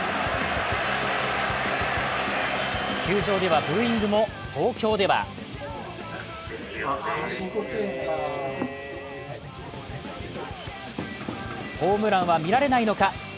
球場ではブーイングも東京ではホームランは見られないのか。